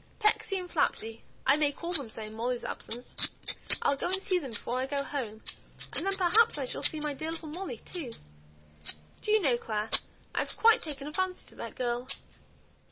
Pecksy and Flapsy; I may call them so in Molly's absence. I'll go and see them before I go home, and then perhaps I shall see my dear little Molly too. Do you know, Clare, I've quite taken a fancy to that girl!"